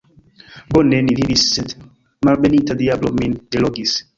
Bone ni vivis, sed malbenita diablo min delogis!